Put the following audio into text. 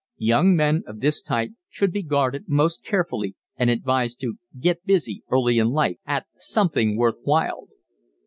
Young men of this type should be guarded most carefully and advised to "get busy" early in life at something worth while.